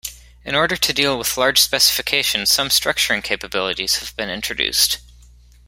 In order to deal with large specifications some structuring capabilities have been introduced.